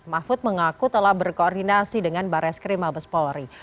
mahfud mengaku telah berkoordinasi dengan barres krimabes polri